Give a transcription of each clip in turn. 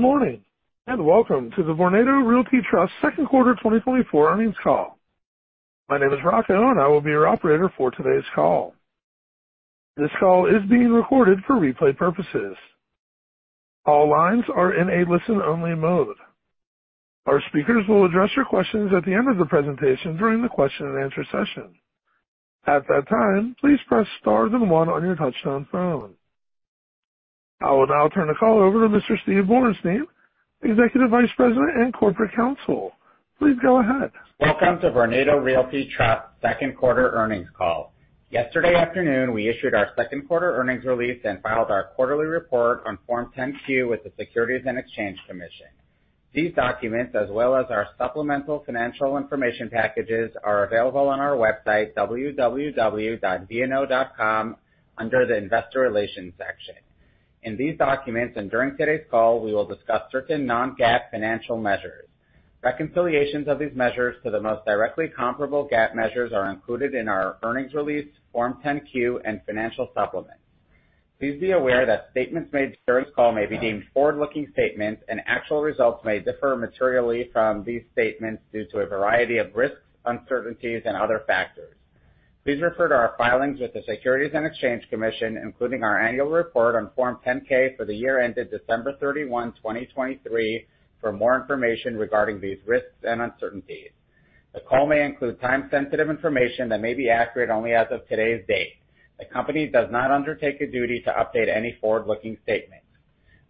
Good morning, and welcome to the Vornado Realty Trust second quarter 2024 earnings call. My name is Rocco, and I will be your operator for today's call. This call is being recorded for replay purposes. All lines are in a listen-only mode. Our speakers will address your questions at the end of the presentation during the question and answer session. At that time, please press star then one on your touchtone phone. I will now turn the call over to Mr. Steven Borenstein, Executive Vice President and Corporate Counsel. Please go ahead. Welcome to Vornado Realty Trust second quarter earnings call. Yesterday afternoon, we issued our second quarter earnings release and filed our quarterly report on Form 10-Q with the Securities and Exchange Commission. These documents, as well as our supplemental financial information packages, are available on our website, www.vno.com, under the Investor Relations section. In these documents, and during today's call, we will discuss certain non-GAAP financial measures. Reconciliations of these measures to the most directly comparable GAAP measures are included in our earnings release, Form 10-Q, and financial supplements. Please be aware that statements made during this call may be deemed forward-looking statements, and actual results may differ materially from these statements due to a variety of risks, uncertainties, and other factors. Please refer to our filings with the Securities and Exchange Commission, including our annual report on Form 10-K for the year ended December 31, 2023 for more information regarding these risks and uncertainties. The call may include time-sensitive information that may be accurate only as of today's date. The company does not undertake a duty to update any forward-looking statements.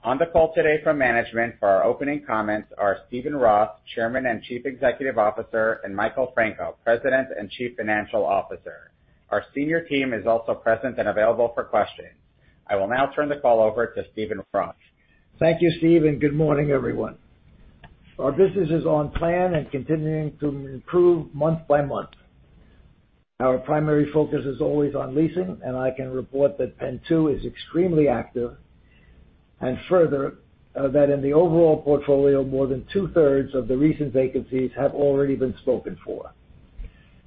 On the call today from management for our opening comments are Steven Roth, Chairman and Chief Executive Officer, and Michael Franco, President and Chief Financial Officer. Our senior team is also present and available for questions. I will now turn the call over to Steven Roth. Thank you, Steve, and good morning, everyone. Our business is on plan and continuing to improve month by month. Our primary focus is always on leasing, and I can report that PENN 2 is extremely active, and further, that in the overall portfolio, more than two-thirds of the recent vacancies have already been spoken for.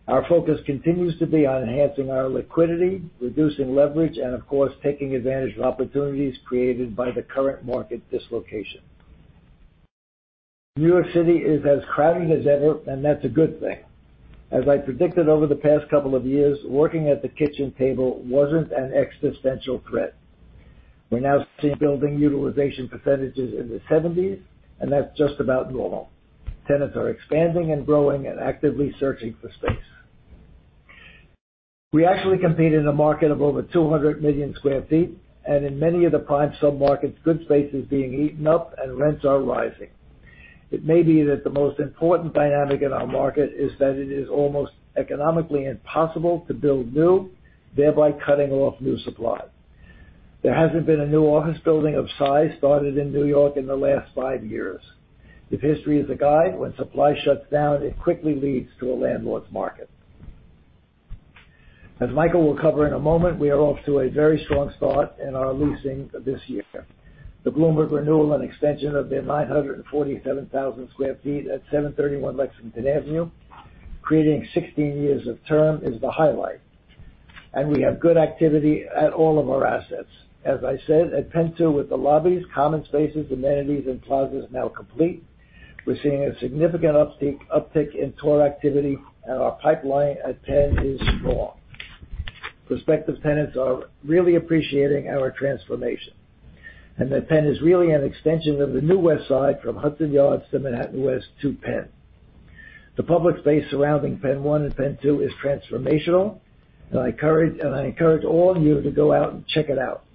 Our focus continues to be on enhancing our liquidity, reducing leverage, and, of course, taking advantage of opportunities created by the current market dislocation. New York City is as crowded as ever, and that's a good thing. As I predicted over the past couple of years, working at the kitchen table wasn't an existential threat. We're now seeing building utilization percentages in the 70s, and that's just about normal. Tenants are expanding and growing and actively searching for space. We actually compete in a market of over 200 million sq ft, and in many of the prime submarkets, good space is being eaten up and rents are rising. It may be that the most important dynamic in our market is that it is almost economically impossible to build new, thereby cutting off new supply. There hasn't been a new office building of size started in New York in the last 5 years. If history is a guide, when supply shuts down, it quickly leads to a landlord's market. As Michael will cover in a moment, we are off to a very strong start in our leasing this year. The Bloomberg renewal and extension of their 947,000 sq ft at 731 Lexington Avenue, creating 16 years of term, is the highlight, and we have good activity at all of our assets. As I said, at PENN 2, with the lobbies, common spaces, amenities, and plazas now complete, we're seeing a significant uptick in tour activity, and our pipeline at Penn is strong. Prospective tenants are really appreciating our transformation, and that Penn is really an extension of the New West Side from Hudson Yards to Manhattan West to Penn. The public space surrounding PENN 1 and PENN 2 is transformational, and I encourage all of you to go out and check it out.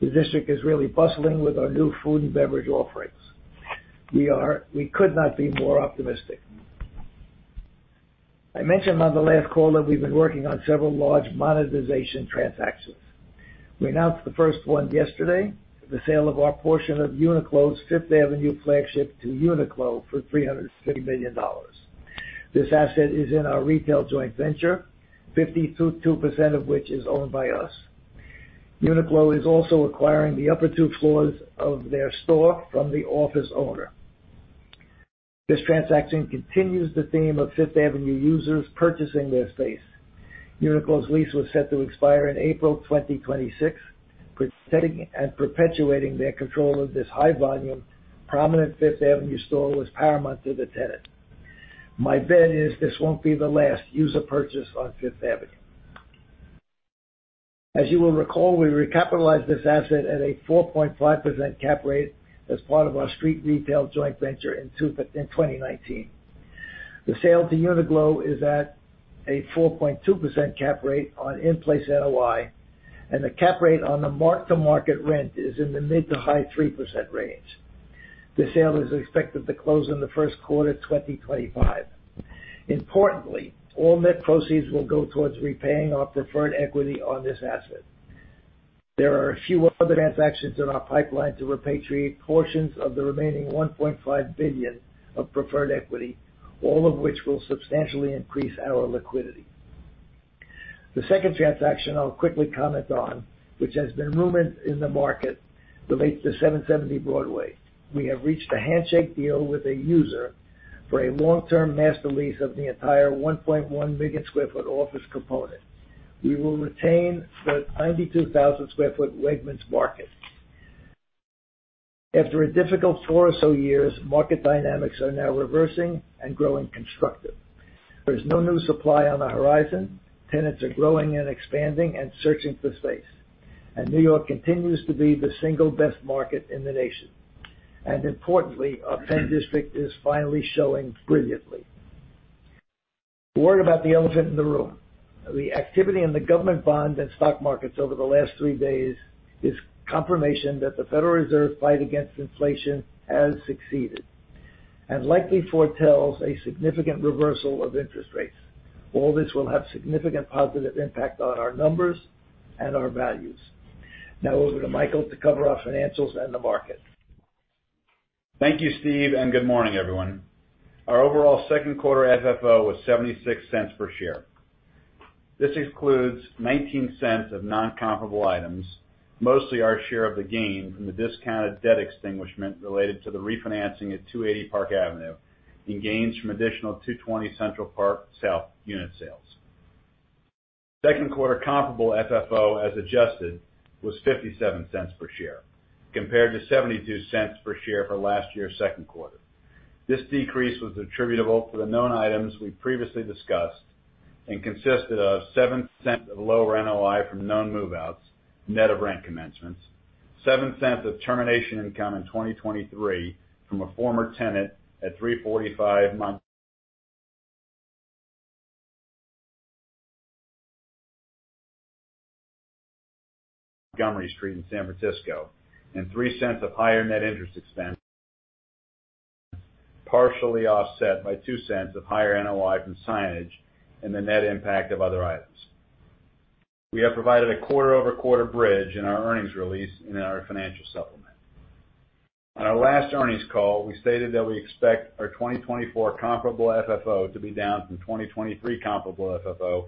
The district is really bustling with our new food and beverage offerings. We could not be more optimistic. I mentioned on the last call that we've been working on several large monetization transactions. We announced the first one yesterday, the sale of our portion of Uniqlo's Fifth Avenue flagship to Uniqlo for $360 million. This asset is in our retail joint venture, 52% of which is owned by us. Uniqlo is also acquiring the upper two floors of their store from the office owner. This transaction continues the theme of Fifth Avenue users purchasing their space. Uniqlo's lease was set to expire in April 2026. Protecting and perpetuating their control of this high volume, prominent Fifth Avenue store was paramount to the tenant. My bet is this won't be the last user purchase on Fifth Avenue. As you will recall, we recapitalized this asset at a 4.5% cap rate as part of our street retail joint venture in 2019. The sale to Uniqlo is at a 4.2% cap rate on in-place NOI, and the cap rate on the mark-to-market rent is in the mid- to high-3% range. The sale is expected to close in the first quarter, 2025. Importantly, all net proceeds will go towards repaying our preferred equity on this asset. There are a few other transactions in our pipeline to repatriate portions of the remaining $1.5 billion of preferred equity, all of which will substantially increase our liquidity. The second transaction I'll quickly comment on, which has been rumored in the market, relates to 770 Broadway. We have reached a handshake deal with a user for a long-term master lease of the entire 1.1 million sq ft office component.... We will retain the 92,000 sq ft Wegmans market. After a difficult four or so years, market dynamics are now reversing and growing constructive. There's no new supply on the horizon. Tenants are growing and expanding and searching for space, and New York continues to be the single best market in the nation. Importantly, our Penn District is finally showing brilliantly. A word about the elephant in the room. The activity in the government bond and stock markets over the last three days is confirmation that the Federal Reserve fight against inflation has succeeded and likely foretells a significant reversal of interest rates. All this will have significant positive impact on our numbers and our values. Now over to Michael to cover our financials and the market. Thank you, Steve, and good morning, everyone. Our overall second quarter FFO was $0.76 per share. This includes $0.19 of non-comparable items, mostly our share of the gain from the discounted debt extinguishment related to the refinancing at 280 Park Avenue, and gains from additional 220 Central Park South unit sales. Second quarter comparable FFO, as adjusted, was $0.57 per share, compared to $0.72 per share for last year's second quarter. This decrease was attributable to the known items we previously discussed and consisted of $0.07 of lower NOI from known move-outs, net of rent commencements, $0.07 of termination income in 2023 from a former tenant at 345 Montgomery Street in San Francisco, and $0.03 of higher net interest expense, partially offset by $0.02 of higher NOI from signage and the net impact of other items. We have provided a quarter-over-quarter bridge in our earnings release in our financial supplement. On our last earnings call, we stated that we expect our 2024 comparable FFO to be down from 2023 comparable FFO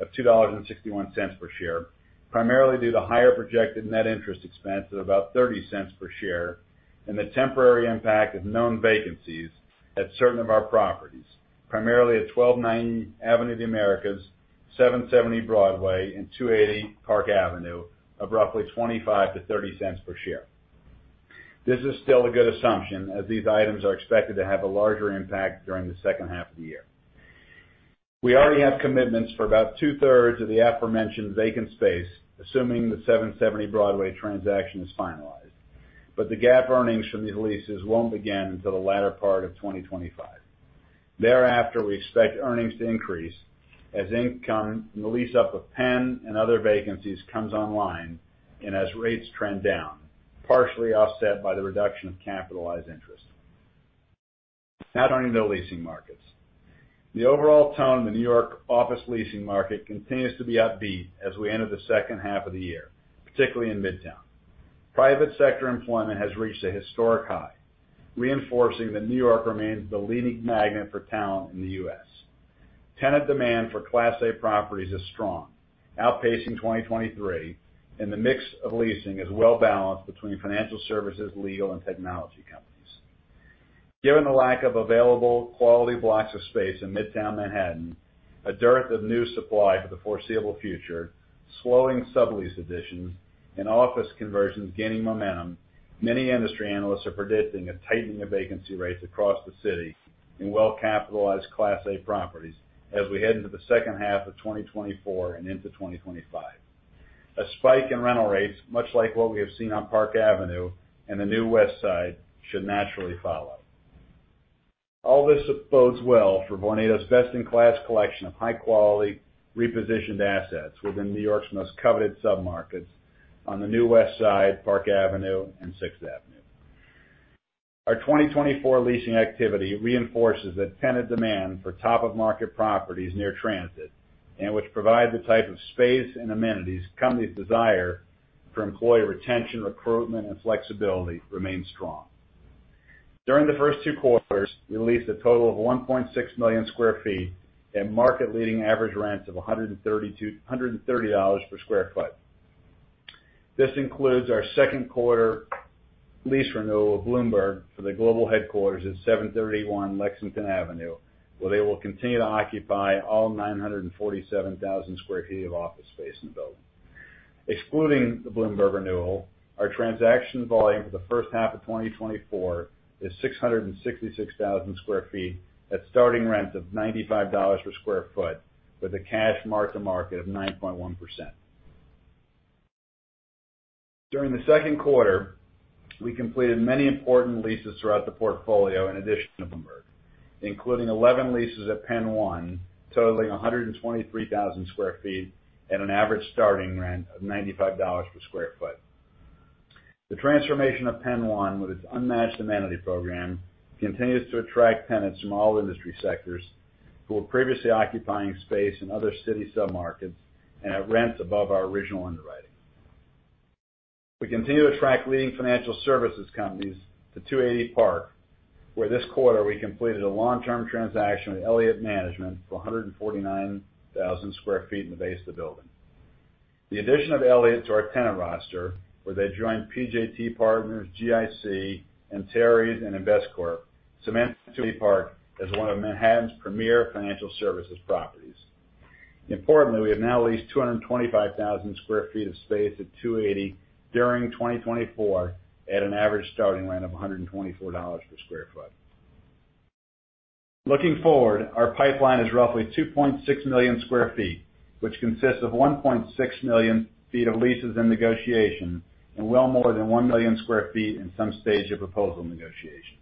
of $2.61 per share, primarily due to higher projected net interest expense of about $0.30 per share, and the temporary impact of known vacancies at certain of our properties, primarily at 1290 Avenue of the Americas, 770 Broadway, and 280 Park Avenue, of roughly $0.25-$0.30 per share. This is still a good assumption, as these items are expected to have a larger impact during the second half of the year. We already have commitments for about two-thirds of the aforementioned vacant space, assuming the 770 Broadway transaction is finalized, but the GAAP earnings from these leases won't begin until the latter part of 2025. Thereafter, we expect earnings to increase as income from the lease up of Penn and other vacancies comes online and as rates trend down, partially offset by the reduction of capitalized interest. Now turning to the leasing markets. The overall tone of the New York office leasing market continues to be upbeat as we enter the second half of the year, particularly in Midtown. Private sector employment has reached a historic high, reinforcing that New York remains the leading magnet for talent in the U.S. Tenant demand for Class A properties is strong, outpacing 2023, and the mix of leasing is well balanced between financial services, legal, and technology companies. Given the lack of available quality blocks of space in Midtown Manhattan, a dearth of new supply for the foreseeable future, slowing sublease additions, and office conversions gaining momentum, many industry analysts are predicting a tightening of vacancy rates across the city in well-capitalized Class A properties as we head into the second half of 2024 and into 2025. A spike in rental rates, much like what we have seen on Park Avenue and the New West Side, should naturally follow. All this bodes well for Vornado's best-in-class collection of high-quality, repositioned assets within New York's most coveted submarkets on the New West Side, Park Avenue, and Sixth Avenue. Our 2024 leasing activity reinforces that tenant demand for top-of-market properties near transit, and which provide the type of space and amenities companies desire for employee retention, recruitment, and flexibility remains strong. During the first two quarters, we leased a total of 1.6 million sq ft at market leading average rents of $132-$130 per sq ft. This includes our second quarter lease renewal of Bloomberg for the global headquarters at 731 Lexington Avenue, where they will continue to occupy all 947,000 sq ft of office space in the building. Excluding the Bloomberg renewal, our transaction volume for the first half of 2024 is 666,000 sq ft at starting rent of $95 per sq ft, with a cash Mark-to-Market of 9.1%. During the second quarter, we completed many important leases throughout the portfolio in addition to Bloomberg, including 11 leases at PENN 1, totaling 123,000 sq ft at an average starting rent of $95 per sq ft. The transformation of Penn One, with its unmatched amenity program, continues to attract tenants from all industry sectors who were previously occupying space in other city submarkets and at rents above our original underwriting. We continue to attract leading financial services companies to 280 Park, where this quarter we completed a long-term transaction with Elliott Management for 149,000 sq ft in the base of the building. The addition of Elliott to our tenant roster, where they join PJT Partners, GIC, Antares, and Investcorp, cements 280 Park as one of Manhattan's premier financial services properties. Importantly, we have now leased 225,000 sq ft of space at 280 during 2024, at an average starting rent of $124 per sq ft. Looking forward, our pipeline is roughly 2.6 million sq ft, which consists of 1.6 million sq ft of leases in negotiation and well more than 1 million sq ft in some stage of proposal negotiation.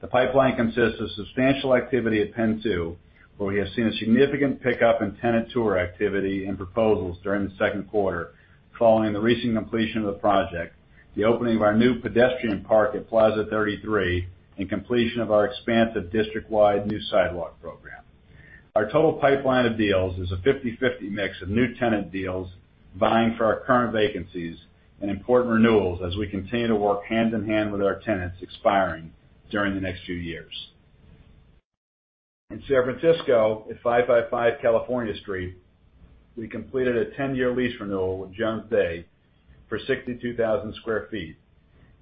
The pipeline consists of substantial activity at PENN 2, where we have seen a significant pickup in tenant tour activity and proposals during the second quarter, following the recent completion of the project, the opening of our new pedestrian park at Plaza 33, and completion of our expansive district-wide new sidewalk program. Our total pipeline of deals is a 50/50 mix of new tenant deals, vying for our current vacancies and important renewals as we continue to work hand in hand with our tenants expiring during the next few years. In San Francisco, at 555 California Street, we completed a ten-year lease renewal with Jones Day for 62,000 sq ft,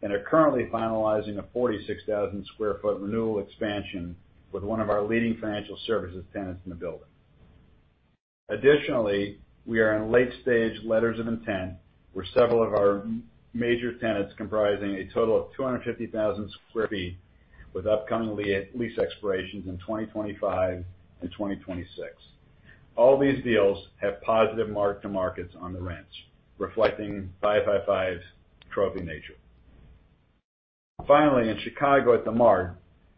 and are currently finalizing a 46,000 sq ft renewal expansion with one of our leading financial services tenants in the building. Additionally, we are in late stage letters of intent, with several of our major tenants comprising a total of 250,000 sq ft, with upcoming lease expirations in 2025 and 2026. All these deals have positive mark-to-market on the rents, reflecting 555's trophy nature. Finally, in Chicago at the Mart,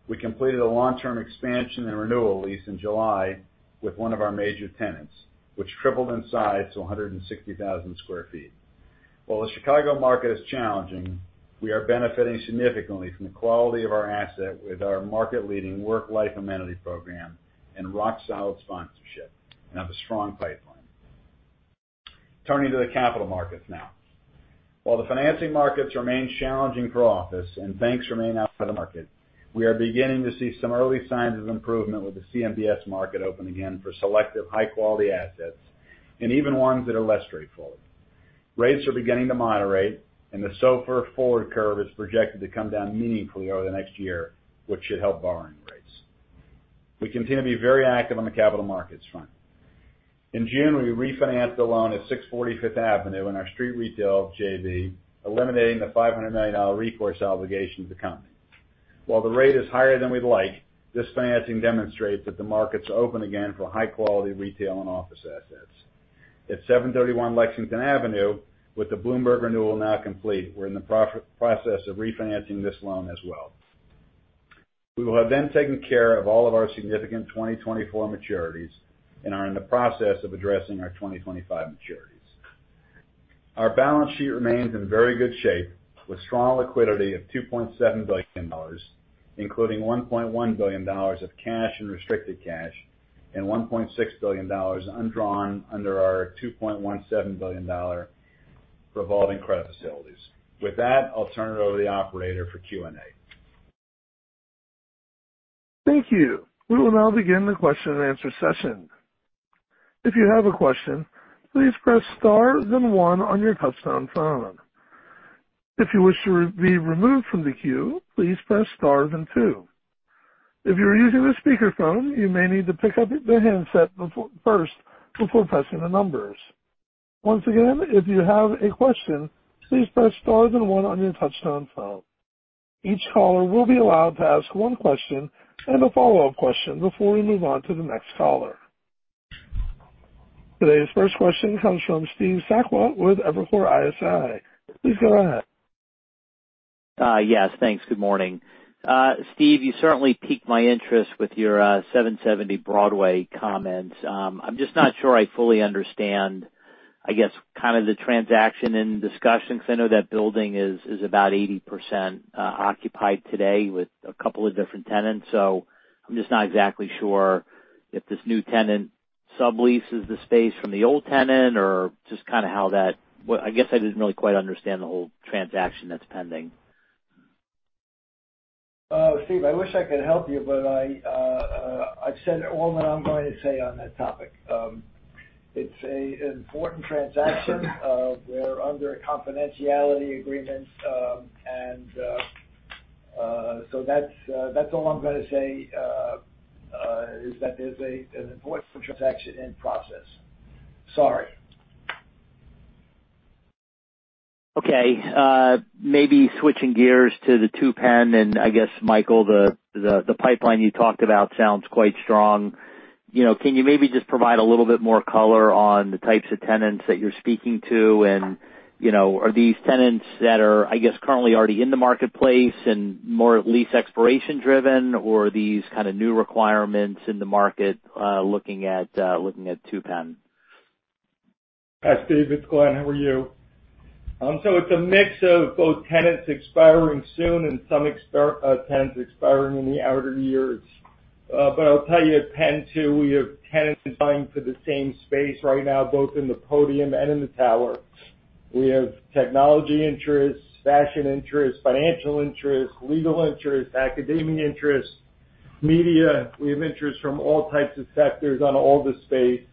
we completed a long-term expansion and renewal lease in July with one of our major tenants, which tripled in size to 160,000 sq ft. While the Chicago market is challenging, we are benefiting significantly from the quality of our asset with our market-leading work-life amenity program and rock-solid sponsorship, and have a strong pipeline. Turning to the capital markets now. While the financing markets remain challenging for office and banks remain out for the market, we are beginning to see some early signs of improvement with the CMBS market open again for selective, high quality assets and even ones that are less straightforward. Rates are beginning to moderate, and the SOFR forward curve is projected to come down meaningfully over the next year, which should help borrowing rates. We continue to be very active on the capital markets front. In June, we refinanced the loan at 640 Fifth Avenue in our street retail JV, eliminating the $500 million recourse obligation to the company. While the rate is higher than we'd like, this financing demonstrates that the market's open again for high quality retail and office assets. At 731 Lexington Avenue, with the Bloomberg renewal now complete, we're in the process of refinancing this loan as well. We will have then taken care of all of our significant 2024 maturities and are in the process of addressing our 2025 maturities. Our balance sheet remains in very good shape, with strong liquidity of $2.7 billion, including $1.1 billion of cash and restricted cash, and $1.6 billion undrawn under our $2.17 billion revolving credit facilities. With that, I'll turn it over to the operator for Q&A. Thank you. We will now begin the question and answer session. If you have a question, please press star then one on your touchtone phone. If you wish to be removed from the queue, please press star then two. If you are using a speakerphone, you may need to pick up the handset first before pressing the numbers. Once again, if you have a question, please press star then one on your touchtone phone. Each caller will be allowed to ask one question and a follow-up question before we move on to the next caller. Today's first question comes from Steve Sakwa with Evercore ISI. Please go ahead. Yes, thanks. Good morning. Steve, you certainly piqued my interest with your 770 Broadway comments. I'm just not sure I fully understand, I guess, kind of the transaction in discussion, because I know that building is about 80% occupied today with a couple of different tenants. So I'm just not exactly sure if this new tenant subleases the space from the old tenant or just kind of how that... I guess I didn't really quite understand the whole transaction that's pending. Steve, I wish I could help you, but I, I've said all that I'm going to say on that topic. It's an important transaction. We're under a confidentiality agreement, and so that's, that's all I'm gonna say, is that there's an important transaction in process. Sorry. Okay. Maybe switching gears to the 2 Penn, and I guess, Michael, the pipeline you talked about sounds quite strong. You know, can you maybe just provide a little bit more color on the types of tenants that you're speaking to? And, you know, are these tenants that are, I guess, currently already in the marketplace and more lease expiration driven, or are these kind of new requirements in the market, looking at Two Penn? Hi, Steve, it's Glen. How are you? So it's a mix of both tenants expiring soon and some expiring tenants in the outer years. But I'll tell you, at PENN 2, we have tenants vying for the same space right now, both in the podium and in the tower. We have technology interests, fashion interests, financial interests, legal interests, academia interests.... media, we have interest from all types of sectors on all the space.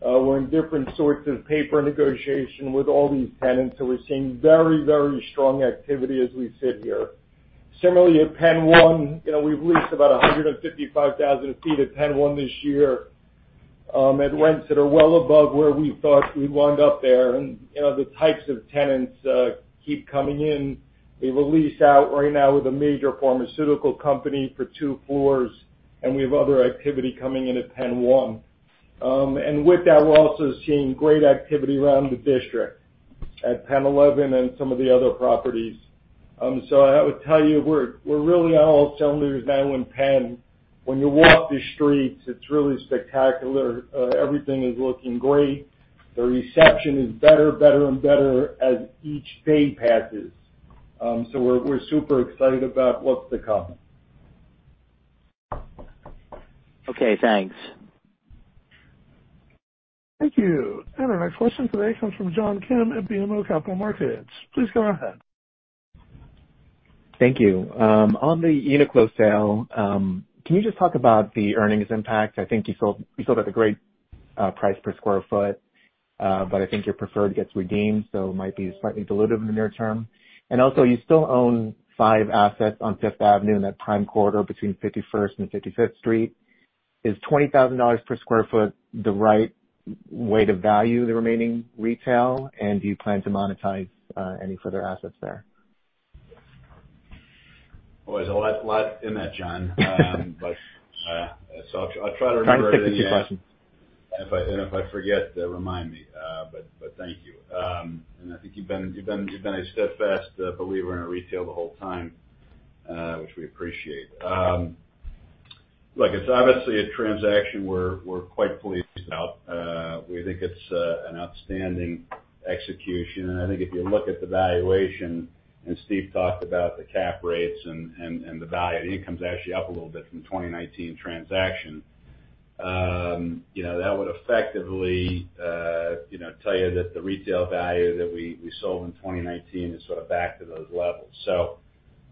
We're in different sorts of paper negotiation with all these tenants, so we're seeing very, very strong activity as we sit here. Similarly, at PENN 1, you know, we've leased about 155,000 sq ft at PENN 1 this year, at rents that are well above where we thought we'd wind up there. And, you know, the types of tenants keep coming in. We've a lease out right now with a major pharmaceutical company for two floors, and we have other activity coming in at PENN 1. And with that, we're also seeing great activity around the district at PENN 11 and some of the other properties. So I would tell you, we're, we're really on all cylinders now in Penn. When you walk the streets, it's really spectacular. Everything is looking great. The reception is better, better, and better as each day passes. So we're super excited about what's to come. Okay, thanks. Thank you. Our next question today comes from John Kim at BMO Capital Markets. Please go ahead. Thank you. On the Uniqlo sale, can you just talk about the earnings impact? I think you sold, you sold at a great price per sq ft, but I think your preferred gets redeemed, so it might be slightly dilutive in the near term. And also, you still own 5 assets on Fifth Avenue in that prime corridor between 51st and 55th Street. Is $20,000 per sq ft the right way to value the remaining retail? And do you plan to monetize any further assets there? Well, there's a lot, lot in that, John. But, so I'll try to remember it again. Thank you for the question. And if I forget, remind me, but thank you. I think you've been a steadfast believer in our retail the whole time, which we appreciate. Look, it's obviously a transaction we're quite pleased about. We think it's an outstanding execution. And I think if you look at the valuation, and Steve talked about the cap rates and the value, the income's actually up a little bit from the 2019 transaction. You know, that would effectively, you know, tell you that the retail value that we sold in 2019 is sort of back to those levels. So,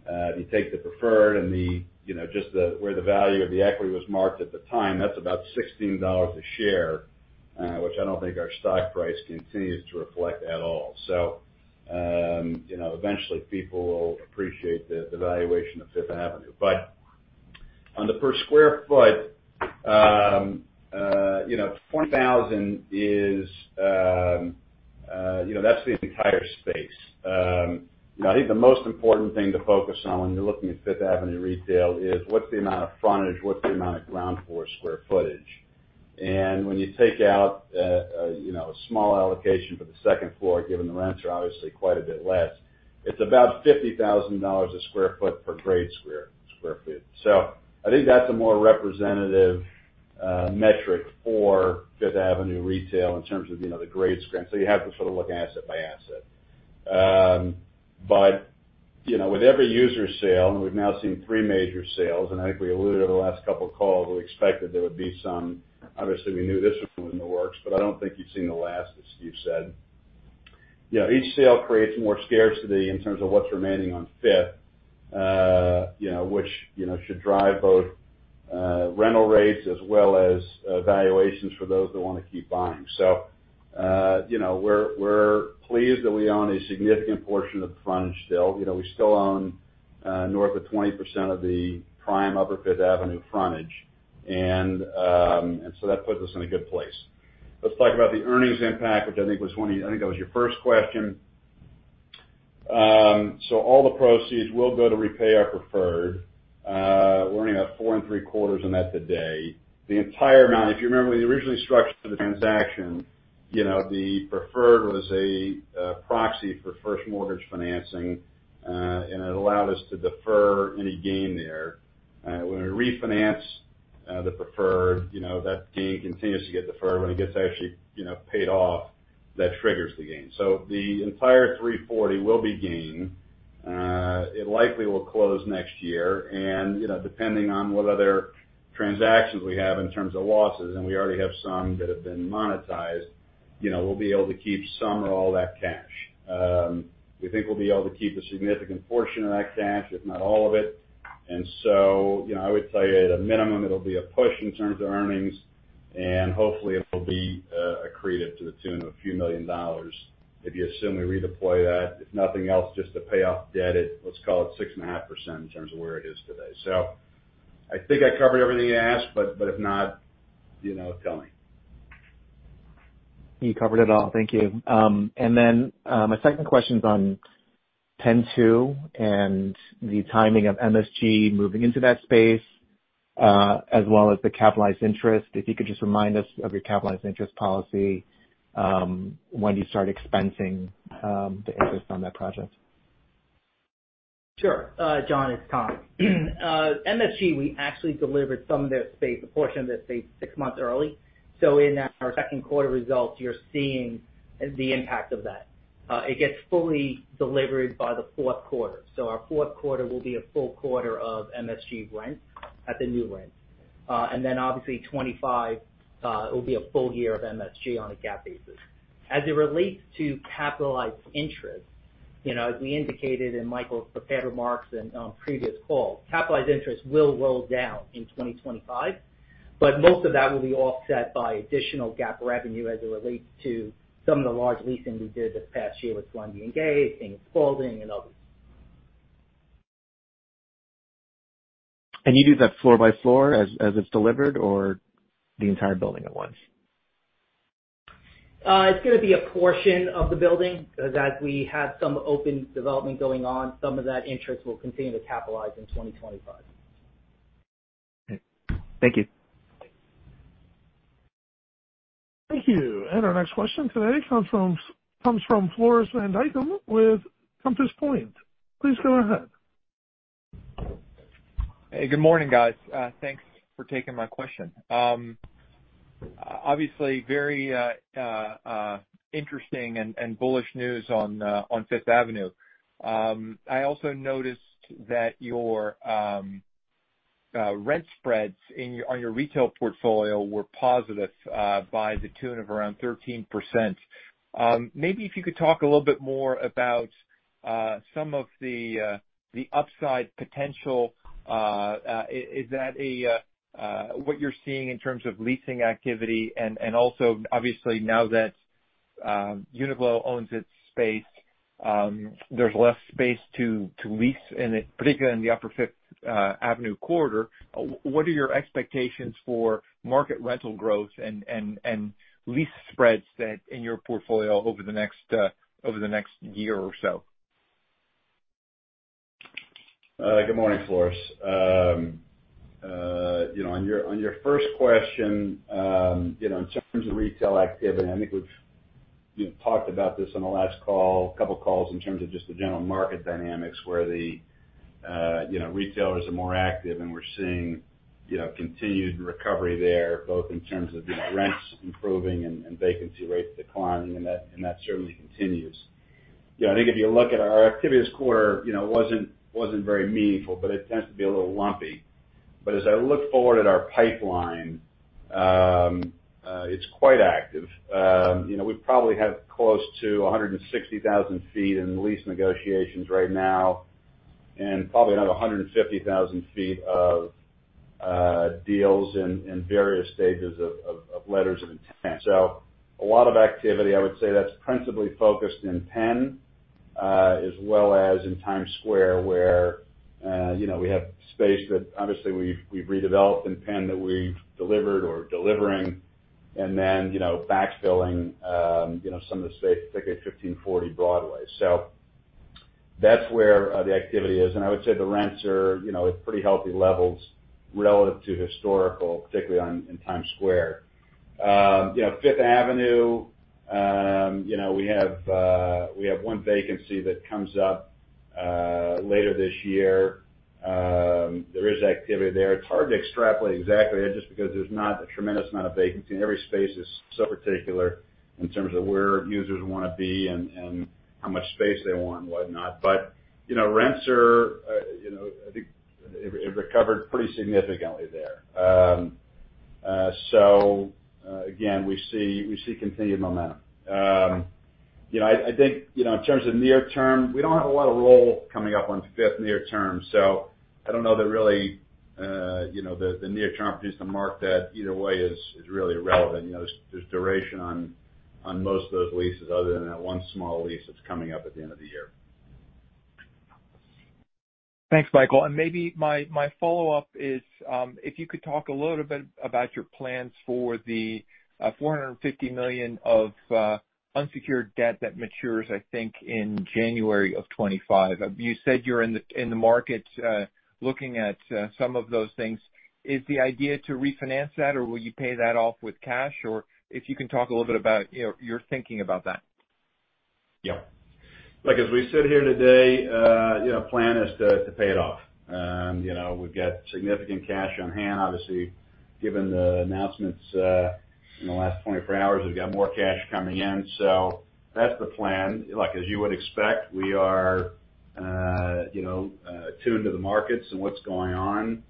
if you take the preferred and the, you know, just the where the value of the equity was marked at the time, that's about $16 a share, which I don't think our stock price continues to reflect at all. So, you know, eventually, people will appreciate the, the valuation of Fifth Avenue. But on the per sq ft, you know, $40,000 is, you know, that's the entire space. You know, I think the most important thing to focus on when you're looking at Fifth Avenue retail is what's the amount of frontage? What's the amount of ground floor sq footage? And when you take out, you know, a small allocation for the second floor, given the rents are obviously quite a bit less, it's about $50,000 a sq ft per grade square, square foot. So I think that's a more representative, metric for Fifth Avenue retail in terms of, you know, the Grade A square. So you have to sort of look asset by asset. But, you know, with every user sale, and we've now seen three major sales, and I think we alluded to the last couple of calls, we expected there would be some. Obviously, we knew this one was in the works, but I don't think you've seen the last, as Steve said. You know, each sale creates more scarcity in terms of what's remaining on Fifth, you know, which, you know, should drive both, rental rates as well as, valuations for those that want to keep buying. So, you know, we're pleased that we own a significant portion of the frontage still. You know, we still own north of 20% of the prime Upper Fifth Avenue frontage, and so that puts us in a good place. Let's talk about the earnings impact, which I think was one of... I think that was your first question. So all the proceeds will go to repay our preferred. We're going to have 4.75% on that today. The entire amount, if you remember, we originally structured the transaction. You know, the preferred was a proxy for first mortgage financing, and it allowed us to defer any gain there. When we refinance the preferred, you know, that gain continues to get deferred. When it gets actually, you know, paid off, that triggers the gain. So the entire $340 will be gained. It likely will close next year, and, you know, depending on what other transactions we have in terms of losses, and we already have some that have been monetized, you know, we'll be able to keep some or all that cash. We think we'll be able to keep a significant portion of that cash, if not all of it. And so, you know, I would tell you, at a minimum, it'll be a push in terms of earnings, and hopefully, it'll be accretive to the tune of $a few million. If you assume we redeploy that, if nothing else, just to pay off debt at, let's call it 6.5% in terms of where it is today. So I think I covered everything you asked, but, but if not, you know, tell me. You covered it all. Thank you. And then, my second question's on PENN 2 and the timing of MSG moving into that space, as well as the capitalized interest. If you could just remind us of your capitalized interest policy, when do you start expensing the interest on that project? Sure. John, it's Tom. MSG, we actually delivered some of their space, a portion of their space, 6 months early. So in our second quarter results, you're seeing the impact of that. It gets fully delivered by the fourth quarter. So our fourth quarter will be a full quarter of MSG rent at the new rent. And then obviously, 2025, it will be a full year of MSG on a GAAP basis. As it relates to capitalized interest-... You know, as we indicated in Michael's prepared remarks and on previous calls, capitalized interest will roll down in 2025, but most of that will be offset by additional GAAP revenue as it relates to some of the large leasing we did this past year with Columbia and King & Spalding, and others. You do that floor by floor as it's delivered or the entire building at once? It's gonna be a portion of the building, because as we have some open development going on, some of that interest will continue to capitalize in 2025. Thank you. Thank you. Our next question today comes from Floris van Dijken with Compass Point. Please go ahead. Hey, good morning, guys. Thanks for taking my question. Obviously very interesting and bullish news on Fifth Avenue. I also noticed that your rent spreads in on your retail portfolio were positive by the tune of around 13%. Maybe if you could talk a little bit more about some of the upside potential. Is that what you're seeing in terms of leasing activity? And also, obviously, now that Uniqlo owns its space, there's less space to lease, and particularly in the Upper Fifth Avenue corridor. What are your expectations for market rental growth and lease spreads in your portfolio over the next year or so? Good morning, Floris. You know, on your first question, you know, in terms of retail activity, I think we've, you know, talked about this on the last call, a couple calls, in terms of just the general market dynamics, where the, you know, retailers are more active, and we're seeing, you know, continued recovery there, both in terms of, you know, rents improving and vacancy rates declining, and that certainly continues. You know, I think if you look at our activity this quarter, you know, wasn't very meaningful, but it tends to be a little lumpy. But as I look forward at our pipeline, it's quite active. You know, we probably have close to 160,000 sq ft in lease negotiations right now, and probably another 150,000 sq ft of deals in various stages of letters of intent. So a lot of activity, I would say, that's principally focused in Penn, as well as in Times Square, where you know, we have space that obviously we've redeveloped in Penn that we've delivered or delivering. And then you know, backfilling some of the space, particularly 1540 Broadway. So that's where the activity is. And I would say the rents are you know, at pretty healthy levels relative to historical, particularly in Times Square. You know, Fifth Avenue, you know, we have one vacancy that comes up later this year. There is activity there. It's hard to extrapolate exactly just because there's not a tremendous amount of vacancy, and every space is so particular in terms of where users want to be and how much space they want and whatnot. But, you know, rents are, you know, I think it recovered pretty significantly there. So, again, we see continued momentum. You know, I think, you know, in terms of near term, we don't have a lot of roll coming up on Fifth near term, so I don't know that really, you know, the near term mark-to-market that either way is really irrelevant. You know, there's duration on most of those leases other than that one small lease that's coming up at the end of the year. Thanks, Michael. Maybe my follow-up is, if you could talk a little bit about your plans for the $450 million of unsecured debt that matures, I think, in January of 2025. You said you're in the market looking at some of those things. Is the idea to refinance that, or will you pay that off with cash? Or if you can talk a little bit about, you know, your thinking about that. Yep. Look, as we sit here today, you know, plan is to pay it off. You know, we've got significant cash on hand. Obviously, given the announcements, in the last 24 hours, we've got more cash coming in. So that's the plan. Like, as you would expect, we are, you know, tuned to the markets and what's going on.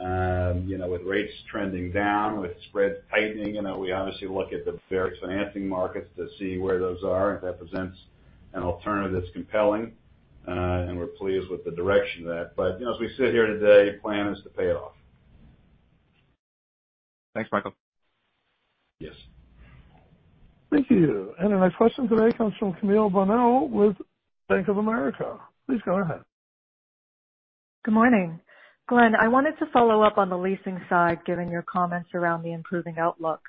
You know, with rates trending down, with spreads tightening, you know, we obviously look at the various financing markets to see where those are, if that presents an alternative that's compelling, and we're pleased with the direction of that. But, you know, as we sit here today, plan is to pay it off. Thanks, Michael. Yes. Thank you. Our next question today comes from Camille Bonnell with Bank of America. Please go ahead. Good morning. Glen, I wanted to follow up on the leasing side, given your comments around the improving outlook.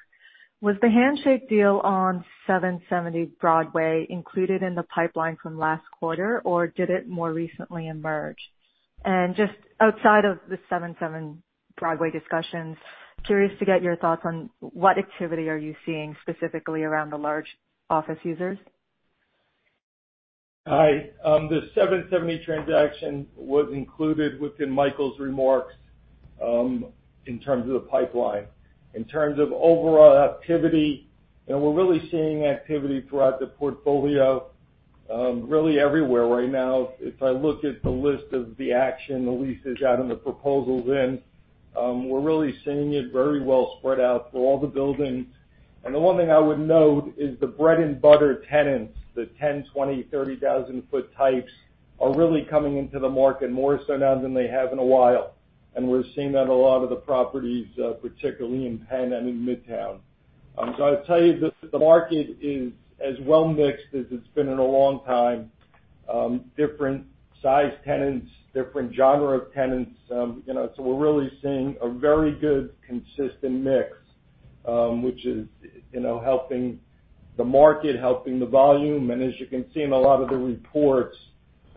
Was the handshake deal on 770 Broadway included in the pipeline from last quarter, or did it more recently emerge? And just outside of the 770 Broadway discussions, curious to get your thoughts on what activity are you seeing specifically around the large office users? Hi. The 770 transaction was included within Michael's remarks, in terms of the pipeline. In terms of overall activity, you know, we're really seeing activity throughout the portfolio, really everywhere right now. If I look at the list of the action, the leases out and the proposals in, we're really seeing it very well spread out through all the buildings.... And the one thing I would note is the bread-and-butter tenants, the 10, 20, 30 thousand foot types, are really coming into the market more so now than they have in a while. And we're seeing that a lot of the properties, particularly in Penn and in Midtown. So I'll tell you that the market is as well mixed as it's been in a long time. Different size tenants, different genre of tenants. You know, so we're really seeing a very good, consistent mix, which is, you know, helping the market, helping the volume. And as you can see in a lot of the reports,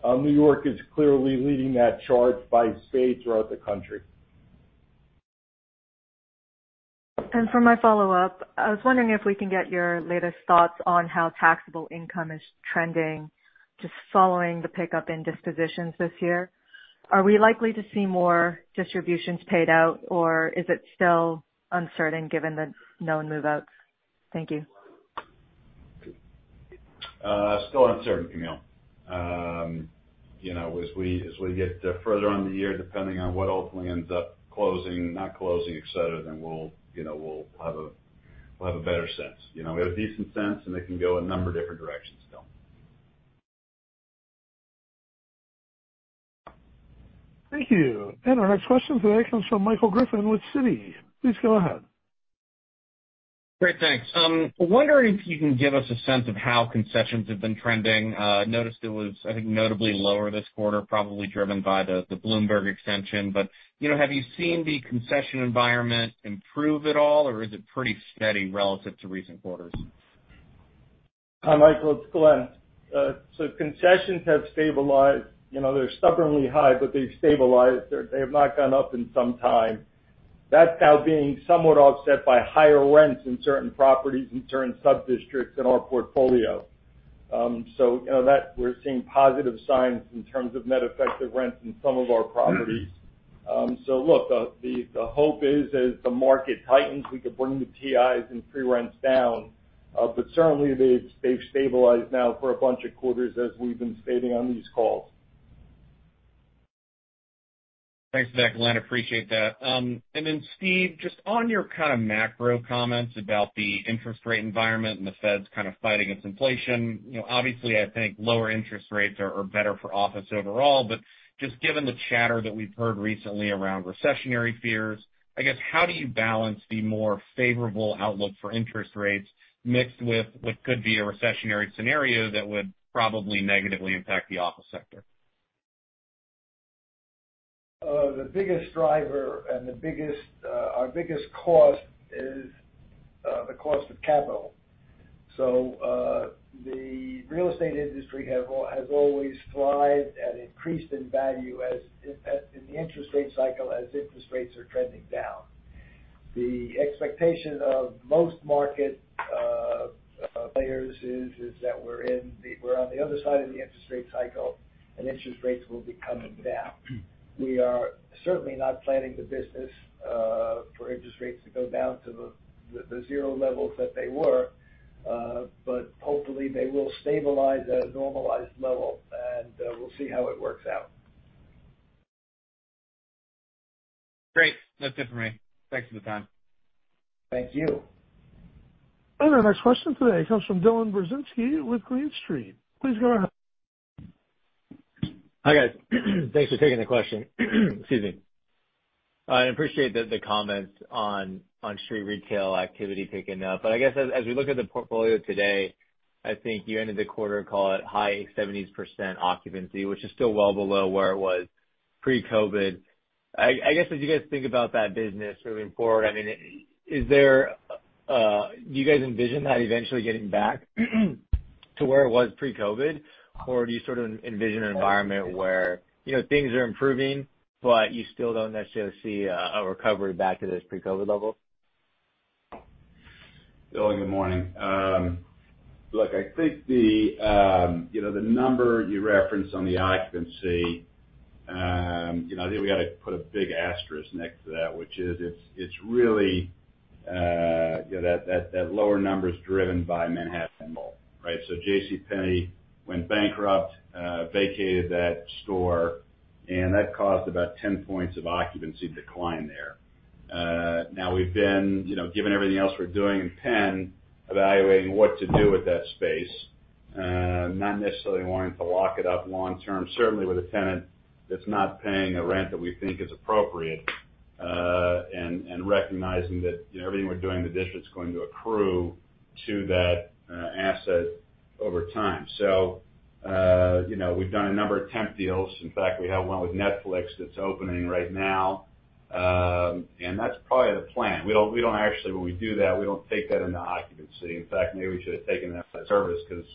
New York is clearly leading that charge by state throughout the country. For my follow-up, I was wondering if we can get your latest thoughts on how taxable income is trending, just following the pickup in dispositions this year. Are we likely to see more distributions paid out, or is it still uncertain given the known move-outs? Thank you. Still uncertain, Camille. You know, as we, as we get further on in the year, depending on what ultimately ends up closing, not closing, et cetera, then we'll, you know, we'll have a, we'll have a better sense. You know, we have a decent sense, and it can go a number of different directions still. Thank you. Our next question today comes from Michael Griffin with Citi. Please go ahead. Great, thanks. Wondering if you can give us a sense of how concessions have been trending? Noticed it was, I think, notably lower this quarter, probably driven by the Bloomberg extension. But, you know, have you seen the concession environment improve at all, or is it pretty steady relative to recent quarters? Hi, Michael, it's Glen. So concessions have stabilized. You know, they're stubbornly high, but they've stabilized. They have not gone up in some time. That's now being somewhat offset by higher rents in certain properties, in certain sub-districts in our portfolio. So you know, that... We're seeing positive signs in terms of net effective rents in some of our properties. So look, the hope is, as the market tightens, we can bring the TIs and free rents down. But certainly they've stabilized now for a bunch of quarters, as we've been stating on these calls. Thanks for that, Glen. Appreciate that. And then Steve, just on your kind of macro comments about the interest rate environment and the Fed's kind of fighting against inflation, you know, obviously, I think lower interest rates are better for office overall, but just given the chatter that we've heard recently around recessionary fears, I guess, how do you balance the more favorable outlook for interest rates mixed with what could be a recessionary scenario that would probably negatively impact the office sector? The biggest driver and the biggest, our biggest cost is, the cost of capital. So, the real estate industry has always thrived and increased in value as in, in the interest rate cycle, as interest rates are trending down. The expectation of most market players is, that we're on the other side of the interest rate cycle, and interest rates will be coming down. We are certainly not planning the business, for interest rates to go down to the, the zero levels that they were, but hopefully they will stabilize at a normalized level, and, we'll see how it works out. Great. That's it for me. Thanks for the time. Thank you. Our next question today comes from Dylan Burzinski with Green Street. Please go ahead. Hi, guys. Thanks for taking the question. Excuse me. I appreciate the comments on street retail activity picking up. But I guess as we look at the portfolio today, I think you ended the quarter, call it high 70s% occupancy, which is still well below where it was pre-COVID. I guess, as you guys think about that business moving forward, I mean, is there... Do you guys envision that eventually getting back to where it was pre-COVID? Or do you sort of envision an environment where, you know, things are improving, but you still don't necessarily see a recovery back to those pre-COVID levels? Dylan, good morning. Look, I think the, you know, the number you referenced on the occupancy, you know, I think we got to put a big asterisk next to that, which is, it's, it's really, you know, that, that, that lower number is driven by Manhattan Mall, right? So J.C. Penney went bankrupt, vacated that store, and that caused about 10 points of occupancy decline there. Now we've been, you know, given everything else we're doing in Penn, evaluating what to do with that space, not necessarily wanting to lock it up long-term, certainly with a tenant that's not paying a rent that we think is appropriate, and, and recognizing that, you know, everything we're doing in the district is going to accrue to that, asset over time. So, you know, we've done a number of temp deals. In fact, we have one with Netflix that's opening right now. And that's probably the plan. We don't actually, when we do that, we don't take that into occupancy. In fact, maybe we should have taken that service, because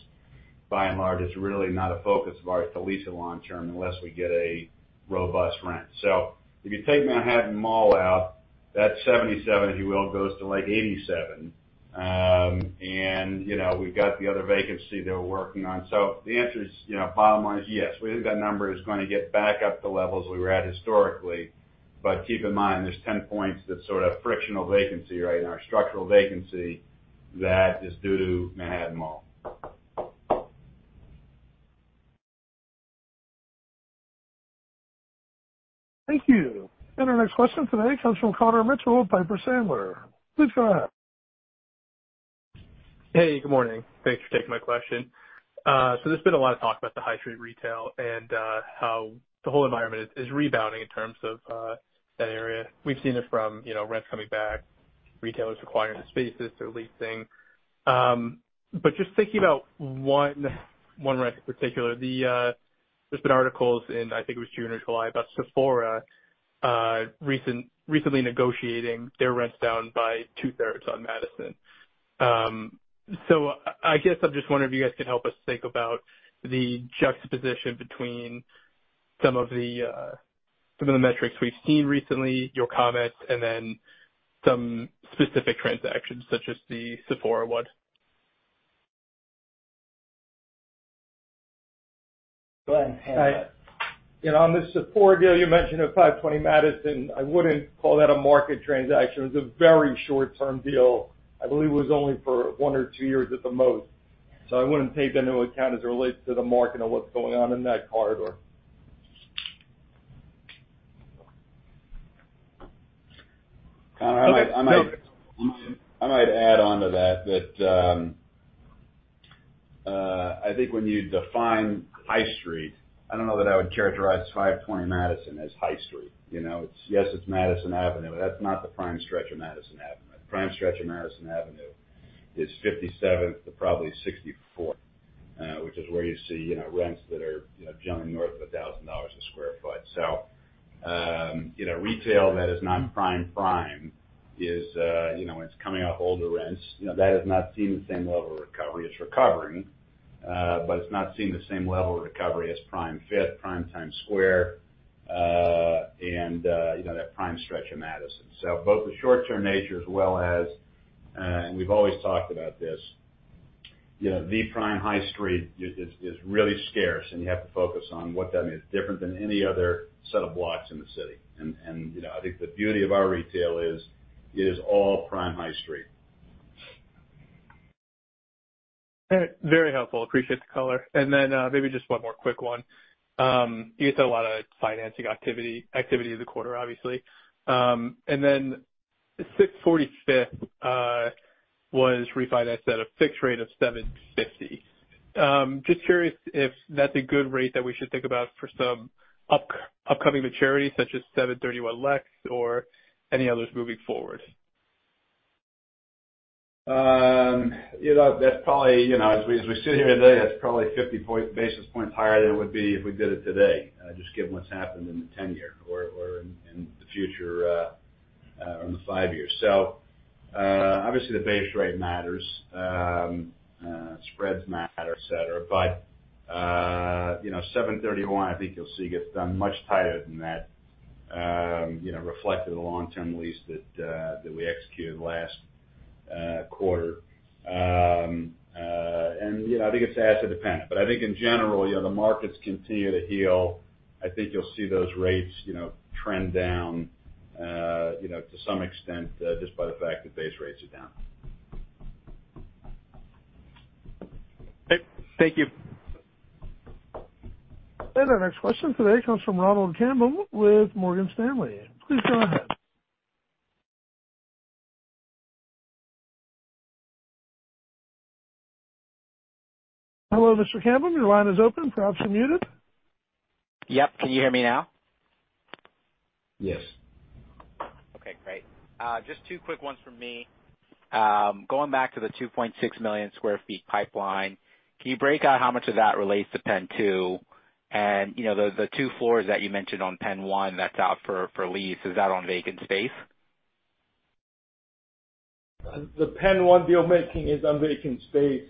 by and large, it's really not a focus of ours to lease it long-term unless we get a robust rent. So if you take Manhattan Mall out, that 77%, if you will, goes to like 87%. And, you know, we've got the other vacancy that we're working on. So the answer is, you know, bottom line is, yes, we think that number is going to get back up to levels we were at historically. But keep in mind, there's 10 points, that's sort of frictional vacancy, right? Our structural vacancy that is due to Manhattan Mall. Thank you. Our next question today comes from Connor Mitchell of Piper Sandler. Please go ahead. Hey, good morning. Thanks for taking my question. So there's been a lot of talk about the high street retail and how the whole environment is rebounding in terms of that area. We've seen this from, you know, rents coming back, retailers acquiring the spaces they're leasing. But just thinking about one rent in particular, there's been articles in, I think, it was June or July, about Sephora recently negotiating their rents down by two thirds on Madison. So I guess I'm just wondering if you guys could help us think about the juxtaposition between some of the metrics we've seen recently, your comments, and then some specific transactions, such as the Sephora one. Go ahead. You know, on the Sephora deal you mentioned at 520 Madison, I wouldn't call that a market transaction. It was a very short-term deal. I believe it was only for 1 or 2 years at the most. So I wouldn't take that into account as it relates to the market or what's going on in that corridor. I might add on to that, I think when you define High Street, I don't know that I would characterize 520 Madison as High Street. You know, it's... Yes, it's Madison Avenue, but that's not the prime stretch of Madison Avenue. The prime stretch of Madison Avenue is 57th to probably 64th, which is where you see, you know, rents that are, you know, generally north of $1,000/sq ft. So, you know, retail that is not prime, prime is, you know, it's coming off older rents. You know, that has not seen the same level of recovery. It's recovering, but it's not seeing the same level of recovery as Prime Fifth, Prime Times Square, and, you know, that prime stretch of Madison. So both the short-term nature as well as, and we've always talked about this, you know, the prime high street is really scarce, and you have to focus on what that means. Different than any other set of blocks in the city. And, you know, I think the beauty of our retail is, it is all prime high street. Very, very helpful. Appreciate the color. And then, maybe just one more quick one. You had a lot of financing activity, activity this quarter, obviously. And then 640 Fifth was refinanced at a fixed rate of 7.50%. Just curious if that's a good rate that we should think about for some upcoming maturities, such as 731 Lex, or any others moving forward? You know, that's probably, you know, as we, as we sit here today, that's probably 50 basis points higher than it would be if we did it today, just given what's happened in the 10-year or, or in, in the future, on the 5 years. So, obviously, the base rate matters. Spreads matter, et cetera. But, you know, 731, I think you'll see, gets done much tighter than that, you know, reflected the long-term lease that, that we executed last quarter. And, you know, I think it's asset dependent, but I think in general, you know, the markets continue to heal. I think you'll see those rates, you know, trend down, you know, to some extent, just by the fact that base rates are down. Thank you. Our next question today comes from Ronald Kamdem with Morgan Stanley. Please go ahead. Hello, Mr. Kamdem, your line is open. Perhaps you're muted. Yep. Can you hear me now? Yes. Okay, great. Just two quick ones from me. Going back to the 2.6 million sq ft pipeline, can you break out how much of that relates to Penn 2? And, you know, the 2 floors that you mentioned on Penn 1 that's out for lease, is that on vacant space? The PENN 1 deal making is on vacant space.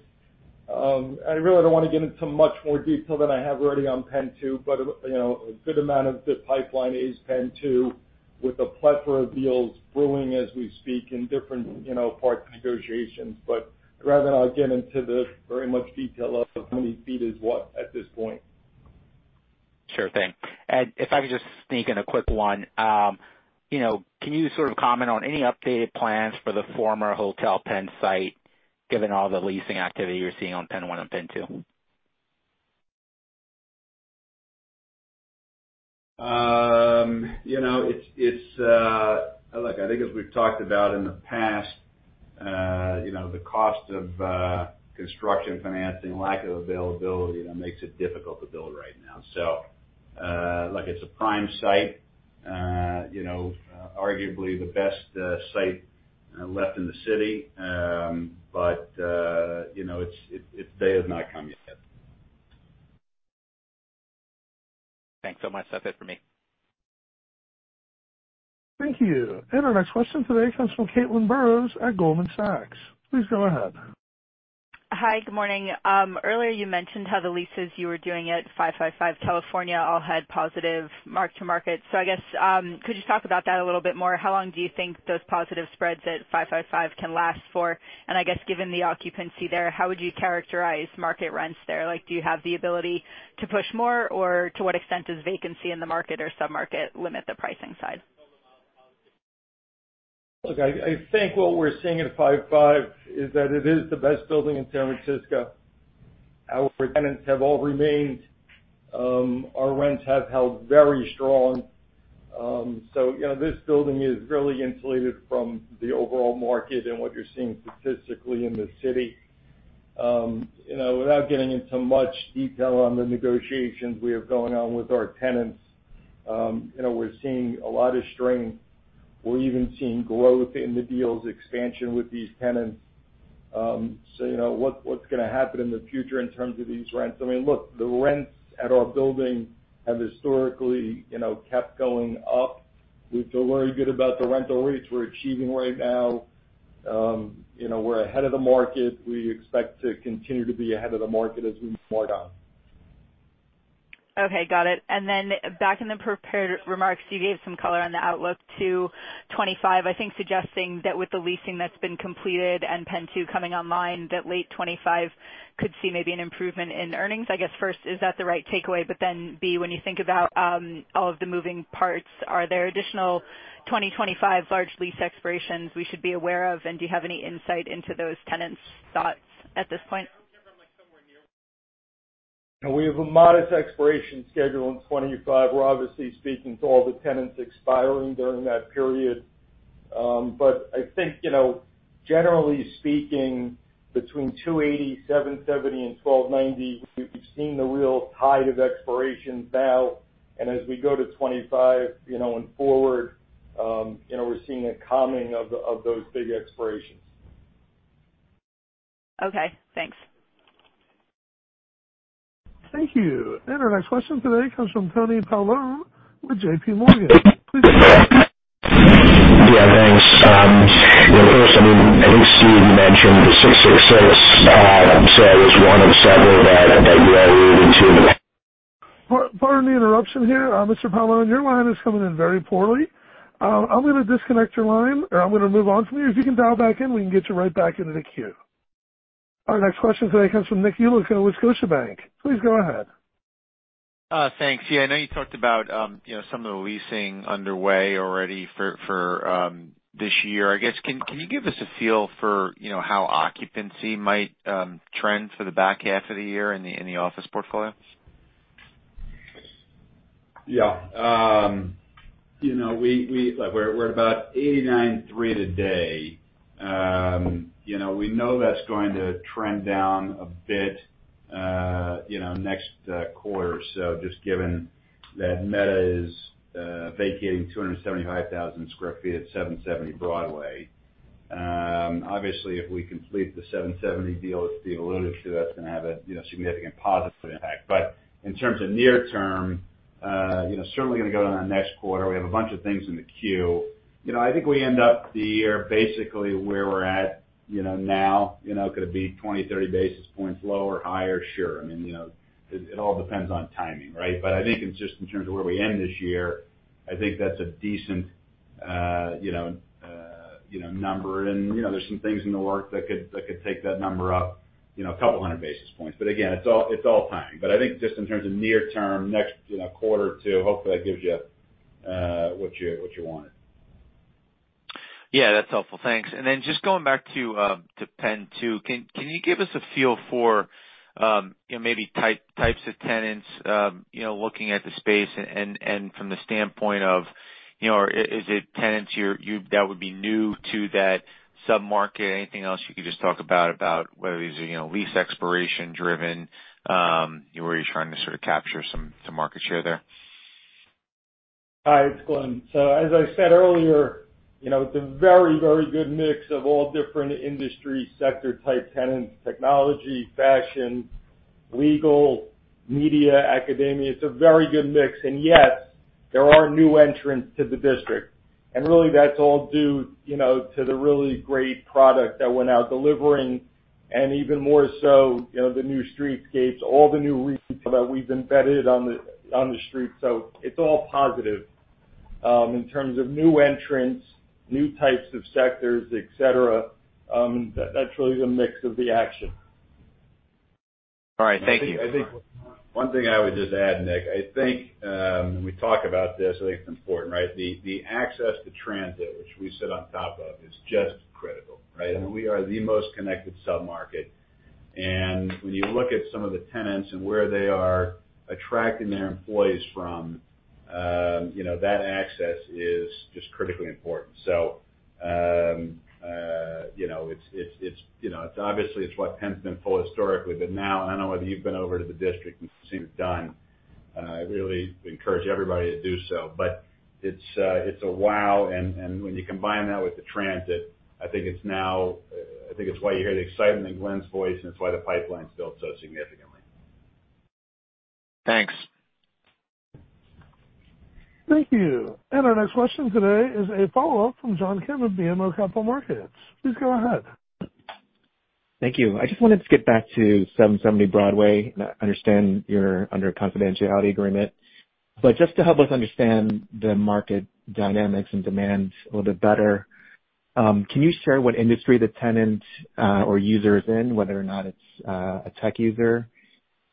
I really don't want to get into much more detail than I have already on PENN 2, but, you know, a good amount of the pipeline is PENN 2, with a plethora of deals brewing as we speak in different, you know, parts of negotiations. But rather not get into the very much detail of how many feet is what at this point. Sure thing. And if I could just sneak in a quick one, you know, can you sort of comment on any updated plans for the former Hotel Penn site, given all the leasing activity you're seeing on PENN 1 and PENN 2? You know, look, I think as we've talked about in the past, you know, the cost of construction, financing, lack of availability that makes it difficult to build right now. So, look, it's a prime site, you know, arguably the best site left in the city. But, you know, its day has not come yet. Thanks so much. That's it for me. Thank you. Our next question today comes from Caitlin Burrows at Goldman Sachs. Please go ahead. Hi, good morning. Earlier you mentioned how the leases you were doing at 555 California Street all had positive mark-to-market. So I guess, could you talk about that a little bit more? How long do you think those positive spreads at 555 California Street can last for? And I guess, given the occupancy there, how would you characterize market rents there? Like, do you have the ability to push more, or to what extent does vacancy in the market or submarket limit the pricing side? ... Look, I, I think what we're seeing at 555 is that it is the best building in San Francisco. Our tenants have all remained, our rents have held very strong. So, you know, this building is really insulated from the overall market and what you're seeing statistically in the city. You know, without getting into much detail on the negotiations we have going on with our tenants, you know, we're seeing a lot of strength. We're even seeing growth in the deals, expansion with these tenants. So, you know, what, what's gonna happen in the future in terms of these rents? I mean, look, the rents at our building have historically, you know, kept going up. We feel very good about the rental rates we're achieving right now. You know, we're ahead of the market. We expect to continue to be ahead of the market as we move more down. Okay, got it. And then back in the prepared remarks, you gave some color on the outlook to 2025, I think suggesting that with the leasing that's been completed and PENN 2 coming online, that late 2025 could see maybe an improvement in earnings. I guess, first, is that the right takeaway? But then, B, when you think about all of the moving parts, are there additional 2025 large lease expirations we should be aware of, and do you have any insight into those tenants' thoughts at this point? We have a modest expiration schedule in 25. We're obviously speaking to all the tenants expiring during that period. But I think, you know, generally speaking, between 280, 770, and 1290, we've seen the real tide of expirations now, and as we go to 25, you know, and forward, we're seeing a calming of those big expirations. Okay, thanks. Thank you. Our next question today comes from Anthony Paolone with J.P. Morgan. Please go ahead. Yeah, thanks. You know, first, I mean, I think, Steve, you mentioned the 666, so it was one of several that you alluded to- Pardon the interruption here. Mr. Paolone, your line is coming in very poorly. I'm gonna disconnect your line, or I'm gonna move on from you. If you can dial back in, we can get you right back into the queue. Our next question today comes from Nick Yulico with Scotiabank. Please go ahead. Thanks. Yeah, I know you talked about, you know, some of the leasing underway already for this year. I guess, can you give us a feel for, you know, how occupancy might trend for the back half of the year in the office portfolio? Yeah. You know, we like, we're about 89.3 today. You know, we know that's going to trend down a bit, you know, next quarter or so, just given that Meta is vacating 275,000 sq ft at 770 Broadway. Obviously, if we complete the 770 deal that Steve alluded to, that's gonna have a, you know, significant positive impact. But in terms of near term, you know, certainly gonna go to our next quarter. We have a bunch of things in the queue. You know, I think we end up the year basically where we're at, you know, now. You know, could it be 20, 30 basis points lower or higher? Sure. I mean, you know, it all depends on timing, right? But I think it's just in terms of where we end this year, I think that's a decent, you know, you know, number. And, you know, there's some things in the works that could take that number up, you know, 200 basis points. But again, it's all timing. But I think just in terms of near term, next, you know, quarter or two, hopefully that gives you what you wanted. Yeah, that's helpful. Thanks. And then just going back to PENN 2, can you give us a feel for, you know, maybe types of tenants, you know, looking at the space and from the standpoint of, you know, or is it tenants that would be new to that submarket? Anything else you could just talk about, about whether it's, you know, lease expiration driven, or are you trying to sort of capture some market share there? Hi, it's Glen. So, as I said earlier, you know, it's a very, very good mix of all different industry sector type tenants, technology, fashion, legal, media, academia. It's a very good mix, and yet there are new entrants to the district. And really, that's all due, you know, to the really great product that we're now delivering, and even more so, you know, the new streetscapes, all the new retail that we've embedded on the street. So it's all positive. In terms of new entrants, new types of sectors, et cetera, that's really the mix of the action. All right. Thank you. I think one thing I would just add, Nick, I think, when we talk about this, I think it's important, right? The, the access to transit, which we sit on top of, is just critical, right? I mean, we are the most connected submarket, and when you look at some of the tenants and where they are attracting their employees from, you know, that access is just critically important. So, you know, it's, it's, it's, you know, it's obviously it's what Penn's been full historically, but now I don't know whether you've been over to the district and seen it done. I really encourage everybody to do so. But it's a wow, and when you combine that with the transit, I think it's why you hear the excitement in Glen's voice, and it's why the pipeline's built so significantly. Thanks. Thank you. Our next question today is a follow-up from John Kim of BMO Capital Markets. Please go ahead. Thank you. I just wanted to get back to 770 Broadway. I understand you're under a confidentiality agreement, but just to help us understand the market dynamics and demand a little bit better, can you share what industry the tenant, or user is in, whether or not it's, a tech user,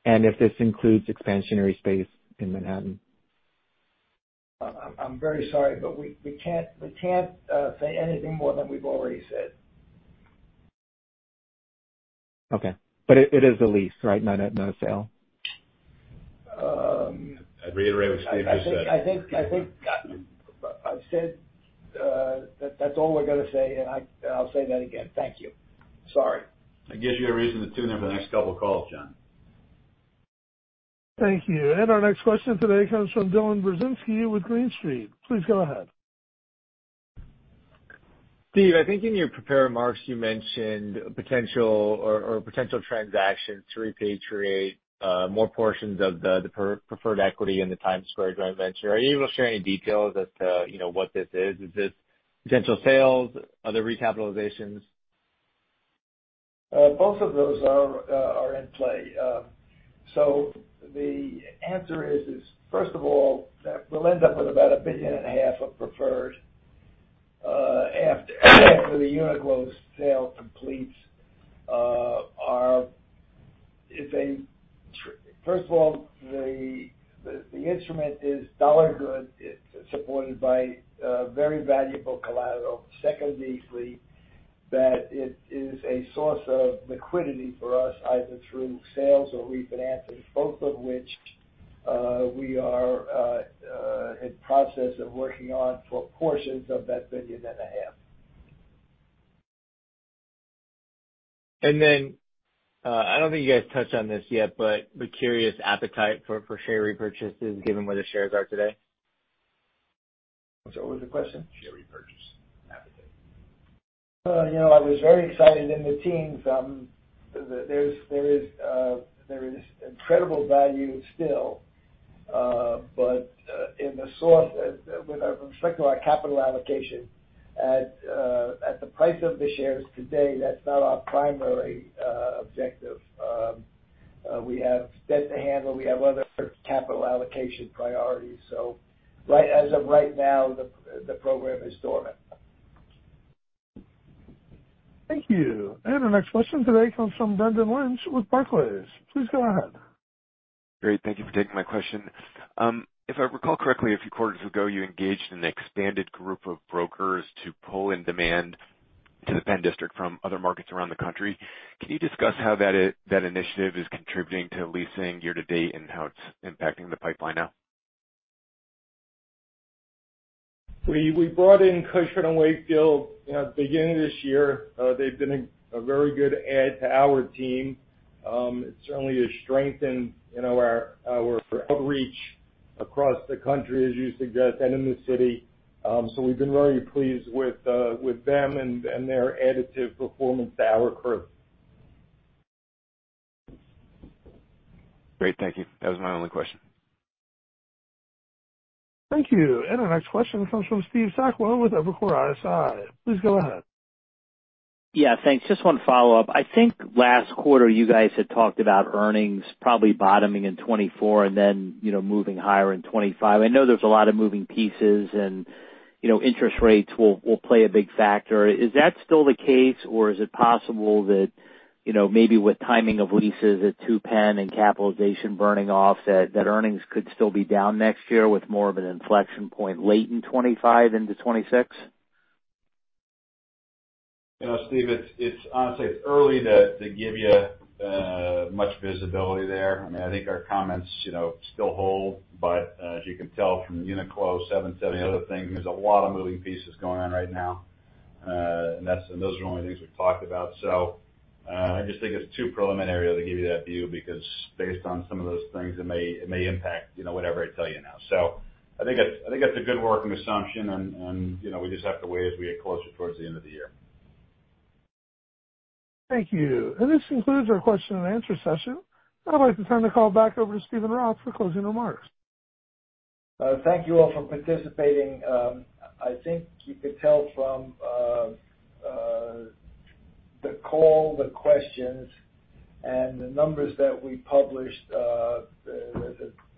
and if this includes expansionary space in Manhattan? ... I'm very sorry, but we can't say anything more than we've already said. Okay. But it is a lease, right? Not a sale. I'd reiterate what Steve just said. I think I've said that that's all we're gonna say, and I'll say that again. Thank you. Sorry. It gives you a reason to tune in for the next couple of calls, John. Thank you. Our next question today comes from Dylan Burzinski with Green Street. Please go ahead. Steve, I think in your prepared remarks, you mentioned potential transactions to repatriate more portions of the preferred equity in the Times Square joint venture. Are you able to share any details as to, you know, what this is? Is this potential sales, other recapitalizations? Both of those are in play. So the answer is first of all that we'll end up with about $1.5 billion of preferred after the Uniqlo sale completes. First of all, the instrument is dollar good. It's supported by very valuable collateral. Secondly, that it is a source of liquidity for us, either through sales or refinancing, both of which we are in process of working on for portions of that $1.5 billion. And then, I don't think you guys touched on this yet, but we're curious, appetite for share repurchases, given where the shares are today? What was the question? Share repurchase appetite. You know, I was very excited in the teens. There is incredible value still, but in the source, when I reflect on our capital allocation at the price of the shares today, that's not our primary objective. We have debt to handle, we have other capital allocation priorities. So right, as of right now, the program is dormant. Thank you. Our next question today comes from Brendan Lynch with Barclays. Please go ahead. Great, thank you for taking my question. If I recall correctly, a few quarters ago, you engaged an expanded group of brokers to pull in demand to the Penn District from other markets around the country. Can you discuss how that initiative is contributing to leasing year to date, and how it's impacting the pipeline now? We brought in Cushman & Wakefield at the beginning of this year. They've been a very good add to our team. It's certainly strengthened, you know, our outreach across the country, as you suggest, and in the city. So we've been very pleased with them and their additive performance to our crew. Great, thank you. That was my only question. Thank you. Our next question comes from Steve Sakwa with Evercore ISI. Please go ahead. Yeah, thanks. Just one follow-up. I think last quarter you guys had talked about earnings probably bottoming in 2024 and then, you know, moving higher in 2025. I know there's a lot of moving pieces and, you know, interest rates will, will play a big factor. Is that still the case, or is it possible that, you know, maybe with timing of leases at 2 Penn and capitalization burning off, that, that earnings could still be down next year with more of an inflection point late in 2025 into 2026? You know, Steve, it's honestly early to give you much visibility there. I mean, I think our comments, you know, still hold, but as you can tell from Uniqlo, 770, the other thing, there's a lot of moving pieces going on right now. And that's, and those are only things we've talked about. So I just think it's too preliminary to give you that view, because based on some of those things, it may impact, you know, whatever I tell you now. So I think that's a good working assumption, and, you know, we just have to wait as we get closer towards the end of the year. Thank you. This concludes our question and answer session. I'd like to turn the call back over to Steven Roth for closing remarks. Thank you all for participating. I think you could tell from the call, the questions, and the numbers that we published, the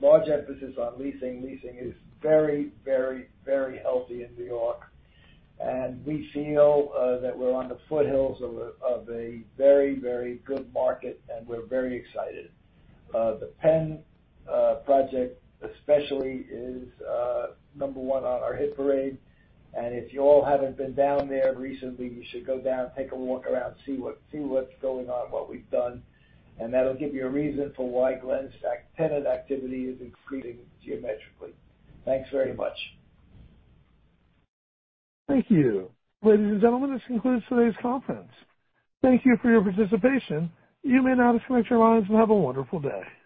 large emphasis on leasing, leasing is very, very, very healthy in New York, and we feel that we're on the foothills of a very, very good market, and we're very excited. The Penn project especially is number one on our hit parade, and if you all haven't been down there recently, you should go down, take a walk around, see what's going on, what we've done, and that'll give you a reason for why the Penn's tenant activity is increasing geometrically. Thanks very much. Thank you. Ladies and gentlemen, this concludes today's conference. Thank you for your participation. You may now disconnect your lines and have a wonderful day.